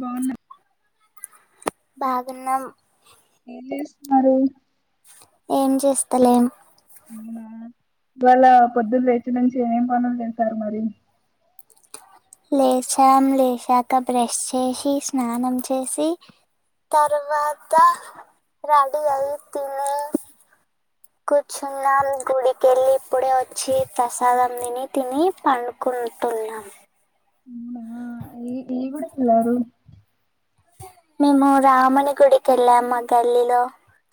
బావున్న బాగున్నా ఏం చేస్తున్నారు ఏం చేస్తలేం అవునా ఇవాళ పొద్దున లేచి నుంచి ఏమం పనులు చేసారు మరి లేచాం లేచాక బ్రష్ చేసి స్నానం చేసి తర్వాత రెడీ అయి తిని కూర్చున్నాం గుడికెళ్ళి ఇప్పుడే వచ్చి ప్రసాదం తిని తిని పండుకుంటున్నాం అవునా ఈ ఈ గుడికెలారు మేమా రాముని గుడికెళ్ళాం మా గల్లీలో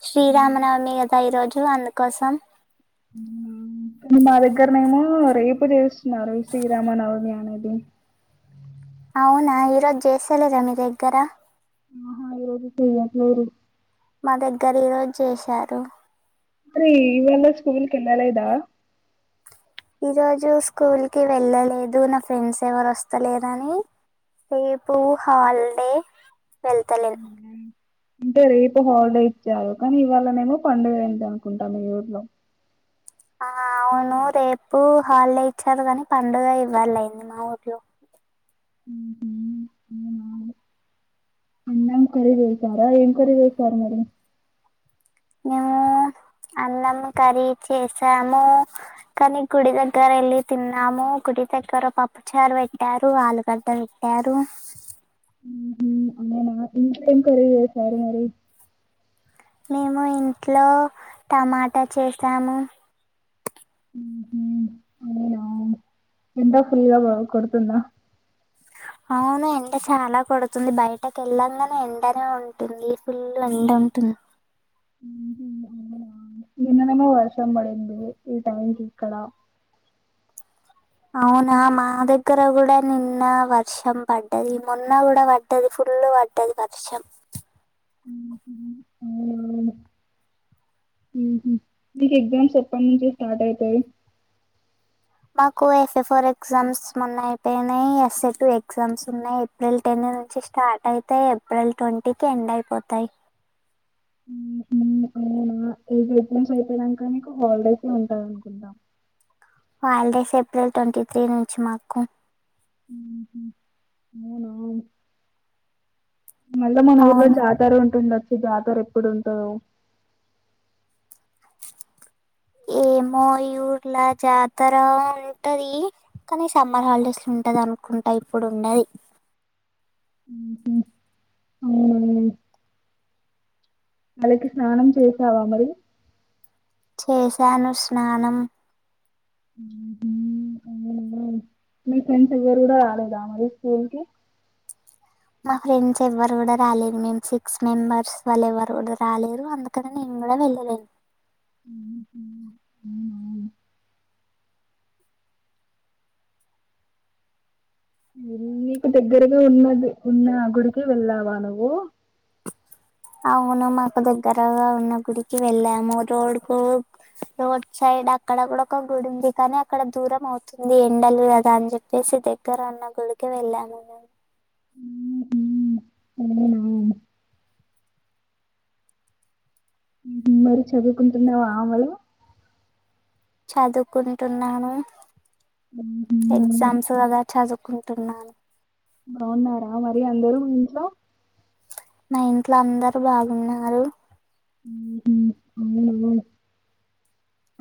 శ్రీరామనవమి కదా ఈరోజు అందుకోసం మా దగ్గరనేమో రేపు చేస్తున్నారు శ్రీరామ నవమి అనే మ్ అవునా ఈరోజు చేస్తలేరా మీ దగ్గర ఆహా ఈ రోజు చెయట్లేరు మా దగ్గర ఈరోజు చేశారు రే ఈవేల స్కూల్ కెలలేదా ఈరోజు స్కూల్కి వెళ్ళలేదు నా ఫ్రెండ్స్ ఎవరు అస్తలేరుని రేపు హాలిడే వెళ్తలేను అవునా. అంటే రేపు హాలిడే ఇచ్చారు కానీ ఇవాళనేమో పండుగ అయిందనుకుంటా ఈ ఊర్లో ఆ అవును రేపు హాలిడే ఇచ్చారు కాని పండుగ ఇవ్వాలయింది మా ఊర్లో ఉహు ఏం కర్రీ చేశారా ఏం కూరా చేశారు మీరు మేము అన్నం కర్రీ చేసాము కానీ గుడి దగ్గర యెళ్ళి తిన్నాము గుడి దగ్గర పప్పుచారు పెట్టారు ఆలుగడ్డ పెట్టారు ఇంట్ల ఏం కర్రీ చేశారు మరి మేము ఇంట్లో టమాటా చేసాము హుహు. అవునా! ఎండ ఫుల్గా కొడుతుందా అవును ఎండ చాలా కొడుతుంది బయటకి యెళ్ళంగనే ఎండనే ఉంటుంది ఫుల్ ఎండ ఉంటుంది హుహు. అవునా! నిన్ననేమో వర్షం పడింది ఈ టైం కి ఇక్కడ అవునా మా దగ్గర కూడా నిన్న వర్షం పడ్డది మొన్న కూడా పడ్డది ఫుల్ పడ్డది వర్షం మ్ హూ అవునా మీకు ఎగ్జామ్స్ ఎప్పటి నుంచి స్టార్ట్ అయితాయి మాకు ఎఫ్ఏ ఫోర్ ఎగ్జామ్స్ మొన్న అయిపోయినయి ఎస్ఏ టూ ఎగ్జామ్స్ ఉన్నాయి ఏప్రిల్ టెన్ నుంచి స్టార్ట్ అయితాయి ఏప్రిల్ ట్వంటీకి ఎండ్ అయిపోతాయి హుహు. అయిపోయినాక హాలిడేస్ ఉంటయ్ అనుకుంటా హాలిడేస్ ఏప్రిల్ ట్వంటీ త్రీ నుంచి మాకు హుహు. అవునా! మళ్ళీ మన ఊర్లో అవును జాతర ఉంటుండొచ్చు జాతర ఎప్పుడుంటదో ఏమో ఈ ఊర్లో జాతర ఉంటది కానీ సమ్మర్ హాలిడేస్లో ఉంటది అనుకుంటా ఇప్పుడు ఉండది అవునవును. తలకి స్నానం చేసావా మరి చేశాను స్నానం మ్ హూ మీ ఫ్రెండ్స్ ఎవ్వరు కూడా రాలేదా మరి స్కూల్కి మా ఫ్రెండ్స్ ఎవ్వరు కూడా రాలేరు మేము సిక్స్ మెంబర్స్ వాళ్ళు ఎవ్వరు కూడా రాలేరు అందుకని నేను కూడా వెళ్ళలేను హ్మ్ నీకు దగ్గరగా ఉన్నది ఉన్న గుడికి వెళ్ళావా నువ్వు అవును మాకు దగ్గర ఉన్న గుడికి వెళ్ళాము రోడ్ కు రోడ్ సైడ్ అక్కడ కూడా ఒక గుడి ఉంది కానీ అక్కడ దూరం అవుతుంది ఎండలు కదా అని చెప్పేసి దగ్గర ఉన్న గుడికి వెళ్ళాము మేము ఉమ్, ఉమ్, అవునా ఉమ్, మరి చదువుకుంటున్నావా అమలు చదువుకుంటున్నాను ఎగ్జామ్స్ కాద చదువుకుంటున్నాను బాగున్నారా మరి అందరూ మీ ఇంట్లో మా ఇంట్లో అందరు బాగున్నారు మ్ హు అవున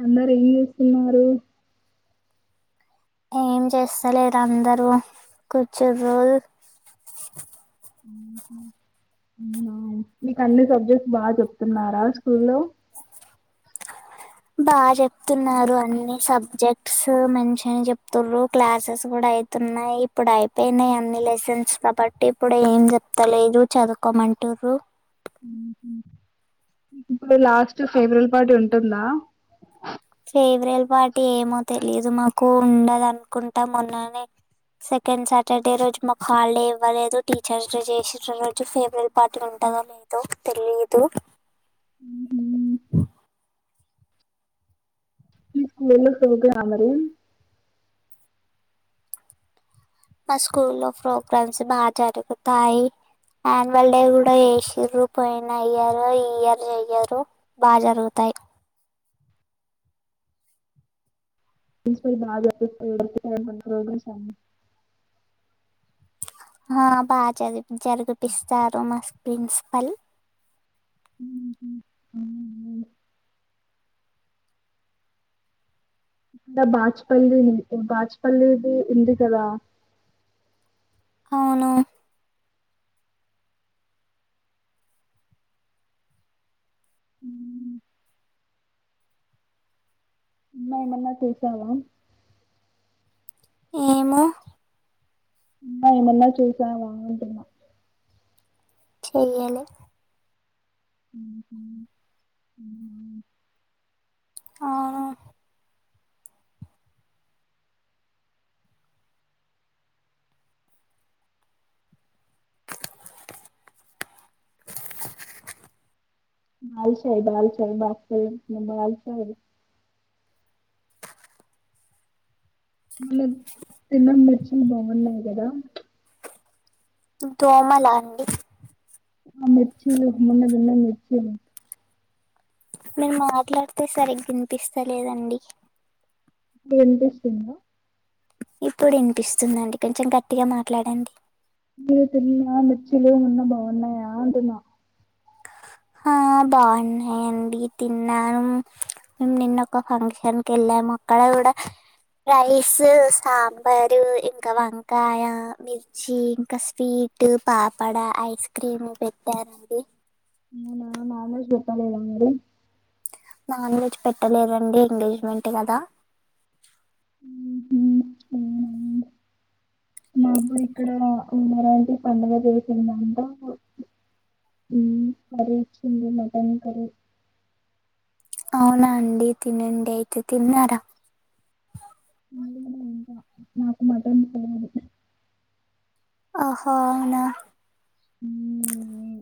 అందరు ఏం చేస్తున్నారు ఏం చేస్తలేరు అందరూ కూర్చుర్రు అవునా మీకు అన్ని సబ్జెక్ట్స్ బాగా చెప్తున్నారా స్కూల్లో బాగా చెప్తున్నారు అన్ని సబ్జెక్ట్స్ మంచిగానే చెప్తుర్రు క్లాసెస్ కూడా అయితున్నాయి ఇప్పుడు అయిపోయినాయి అన్ని లెసన్స్ కాబట్టి ఇప్పుడు ఏం చెప్తలేరు చదువుకోమంటూర్రు ఇప్పుడు లాస్ట్ ఫేవరల్ పార్టీ ఉంటుందా ఫేవరల్ పార్టీ ఏమో తెలియదు మాకు ఉండదు అనుకుంటా మొన్ననే సెకండ్ సాటర్డే రోజు మాకు హాలిడే ఇవ్వలేదు టీచర్స్ డే చేసిర్రు రోజు ఫేవరల్ పార్టీ ఉంటదో లేదో తెలిదు ఉమ్, మీ స్కూల్లో [unintelligible] మా స్కూ లో ప్రోగ్రామ్స్ బాగా జరుగుతాయి ఆన్యువల్ డే కూడా ఏషిర్రు పోయిన ఇయరు ఈ ఇయర్ చెయ్యరు బాగా జరుగుతాయి బాగా ట [inaudible] ఆ బ చదివ్ జరిపిస్తారు మస్ ప్రిన్సిపాల్ ఉహూ అవునా ఇడ బాచపల్లి బాచపల్లిది ఉంది కదా అవును ఏన్న చేసావా ఏమో ఏమన్నా చుసావా అంటున్న చెయ్యలే మ్ హు ఉష్ అవును బల్శాయి బాల్శాయి బక్స బాల్శ యి మనం తిన్న మిర్చులు బాగున్నాయి కదా దోమలా అండి ఆ మిర్చీలు మొన్న తిన్నాం మిర్చిలు మీరు మాట్లాడితే సరిగ్గినిపిస్తలేదండి ఎం టిస్తుంన్నవ్ ఇప్పుడు వినిపిస్తుందండి కొంచెం గట్టిగా మాట్లాడండి నువ్వు తిన్న మిర్చీలు నిన్న బాగున్నాయా అంటన్నా ఆ బాగున్నాయండి తిన్నాను మేము నిన్న ఒక ఫంక్షన్ కి వెళ్ళాము అక్కడ కూడా రైస్ సాంబారు ఇంకా వంకాయ మిర్చి ఇంకా స్వీట్ పాపడ ఐస్ క్రీమ్ పెట్టారండి మా అమ్ములు చెప్పాలేదా అండి నాన్ వెజ్ పెట్టలేదండి ఎంగేజ్మెంట్ కదా మరి ఇప్పుడు ఉన్నరాంటి పండుగ చేసిందంట మ్ కర్రీ ఇచ్చింది మటన్ కర్రీ అవునా అండి తినండి అయితే తిన్నారా తినలే ఇంకా నాకు మటన్ పోదు ఆహో అవునా హుమ్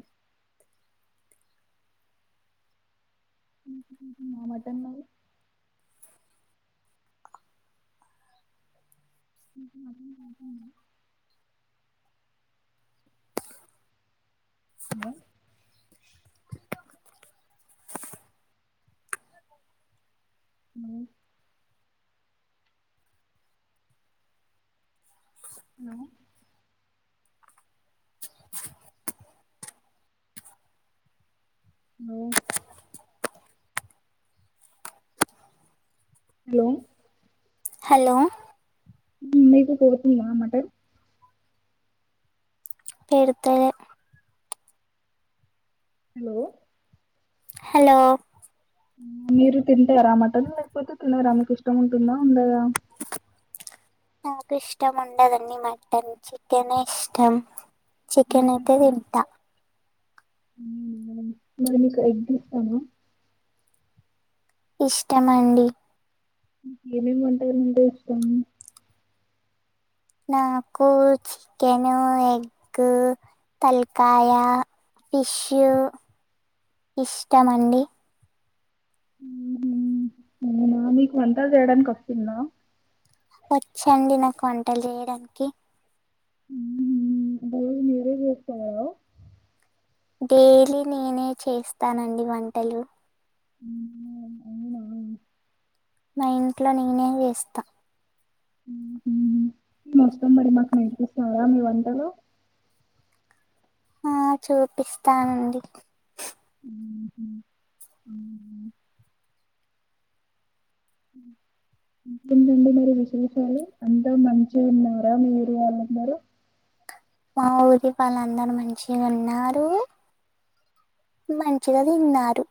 మటన్ మరి ఆ హలో హలో హలో లో హలో హలో మీకు కొడుతుందా మటన్ పెడుతదే హలో హలో మీరు తిన్ టారా మటన్ లేకపోతే తినరా ఇష్టం ఉంటుందా ఉండదా నాకు ఇష్టముండదండి మటన్ చికెనే ఇష్టం చికెన్ అయితే తింటా ఉమ్మ్ మరి మీకు ఎగ్ ఇష్టమా ఇష్టమండి ఇంకేమేం [inaudible] ఇస్తాము నాకు చికెను ఎగ్ తలకాయ ఫిష్షు ఇష్టమండి హుహు. అవునా మీకు వంటలు చేయడానికి వస్తుందా వచ్చండి నాకు వంటలు చేయడానికి [inaudible] మీరే చేత్తాయా డైలీ నేనే చేస్తానండి వంటలు హ్మ్. అవునా! నా ఇంట్లో నేనే వేస్తా వస్తాం మరి మాకు నేర్పిస్తారా మీ వంటలు ఆ చూపిస్తానండి హుహు. అవునా! అంకేంటండి మరి విశేషాలు అంతా మంచి ఉన్నారా మీరు [inaudible] మా ఊరి వాళ్ళందరూ మంచి ఉన్నారు మంచిగా తిన్నారు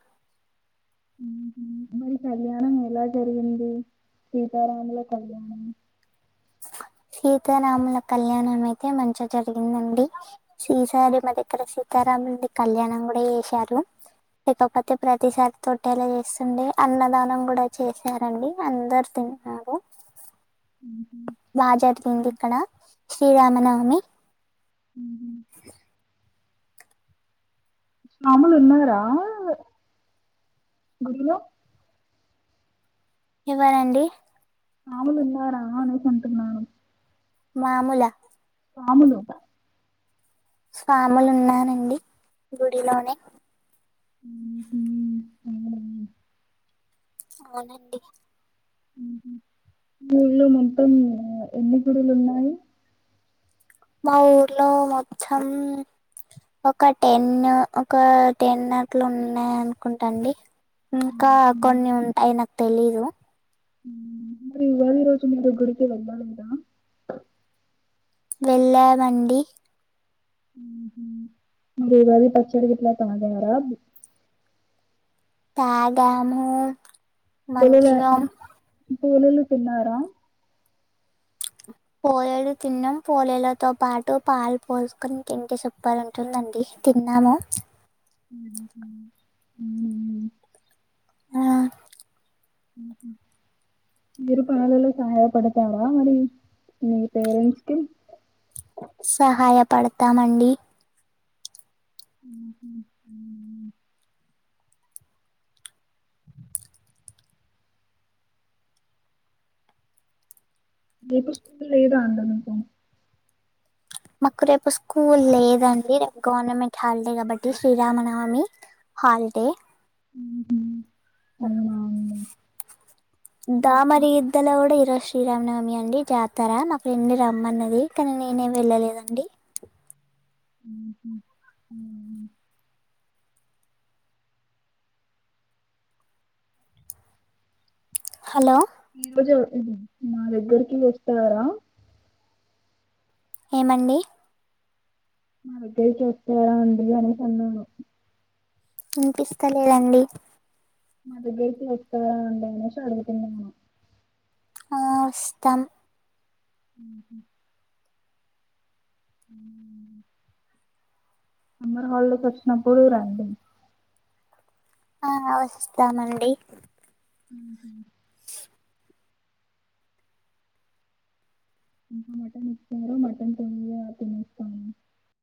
హుహు. మరి కళ్యాణం ఎలా జరిగింది సీతారాముల కళ్యాణం సీతారాముల కళ్యాణం అయితే మంచిగా జరిగిందండి. ఈసారి మా దగ్గర సీతారాముల్ది కళ్యాణం గుడా చేశారు. లేకపోతే ప్రతిసారి తొట్టెలా చేస్తుండే అన్నదానం గుడా చేశారండి అందరు తిన్నారు. ఊహూ బా జరిగిందిక్కడ శ్రీరామనవమి హుహు. స్వాములు ఉన్నారా గుడిలో ఎవరండి స్వాములున్నారా అనేసి అంటున్నాను. మాముూలా స్వాములు స్వాములున్నారండి గుడిలోనే [unintelligible] అవునండి ఊహూ ఊళ్ళో మొత్తం ఎన్ని గుడులు ఉన్నాయి మా ఊర్లో మొత్తం ఒక టెన్ ఒక టెన్ అట్లున్నాయి అనుకుంటాండి ఇంకా హుహు. కొన్ని ఉంటాయి నాకు తెలీదు ఈ రోజు మీరు గుడికి వెళ్ళలేదా వెళ్ళామండి మీరు ఉగాది పచ్చడి గిట్లా తాగారా తాగాము మంచిగా పోలీలు తిన్నారా పోలేలు తిన్నాం పోలేలతో పాటు పాలు పోసుకుని తింటే సూపర్ ఉంటుందండి తిన్నాము ఉహూ ఉ ఊ ఆ మీరు పనులలో సహాయపడతారా మరి మీ పేరెంట్స్కి సహాయపడతామండి ఉమ్ హొమ్ మీకు స్కోల్ లేదా అండి మికు మాకు రేపు స్కూల్ లేదండి రేపు గవర్నమెంట్ హాలిడే గాబట్టి శ్రీరామనవమి హాలిడే ఉమ్ హోమ్ దామగిద్దల గుడా ఇరో శ్రీరామనవమి అండి జాతర మా ఫ్రెండ్ రమ్మన్నది కానీ నేనే వెళ్ళలేదండి ఉ ఉ ఉ హలో ఈ రోజు మా దగ్గరికి వస్తారా ఏమండి మా దగ్గరికి వస్తారా అండి అనేసి అన్నాను ఇనిపిస్తలేదండి మా దగ్గరికి వస్తారా అండి అనేసి అడుగున్నాను ఆ ఓస్తం ఉమ్ హమ్ ఉమ్ సమ్మర్ హాలీడేస్ వచ్చినప్పుడు రండి ఆ వస్తామండి ఉ ఉ [inaudible] ఇంకా మటన్ తెచ్చారు. మటన్ తొందరగా తినిస్తాము